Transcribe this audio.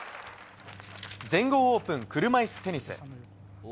全豪オープン、車いすテニス。